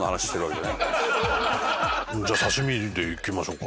じゃあ刺身でいきましょうか。